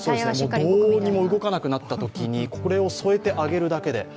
どうにも動かなくなったときに、これを添えてあげるだけで。